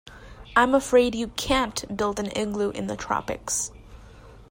I'm afraid you can't build an igloo in the tropics.